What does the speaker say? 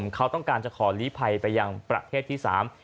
เขาต้องการจะขอลีภัยไปยังประเทศที่สาม